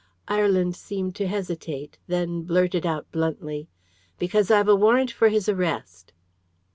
Ireland seemed to hesitate. Then blurted out bluntly "Because I've a warrant for his arrest."